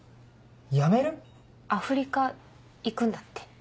辞める⁉アフリカ行くんだって。